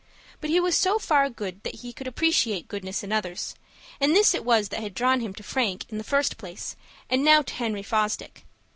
But he was so far good that he could appreciate goodness in others, and this it was that had drawn him to Frank in the first place, and now to Henry Fosdick.